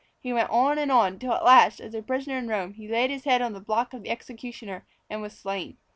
He went on and on till at last, as a prisoner in Rome, he laid his head on the block of the executioner and was slain.